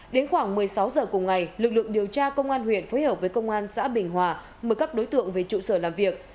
đến khoảng một mươi sáu giờ cùng ngày lực lượng điều tra công an huyện phối hợp với công an xã bình hòa mời các đối tượng về trụ sở làm việc